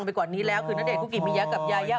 โอลี่คัมรี่ยากที่ใครจะตามทันโอลี่คัมรี่ยากที่ใครจะตามทัน